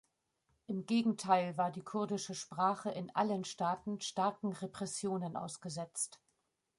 Im Gegenteil war die kurdische Sprache in allen Staaten starken Repressionen ausgesetzt.